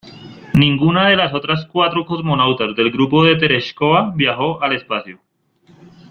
Ninguna de las otras cuatro cosmonautas del grupo de Tereshkova viajó al espacio.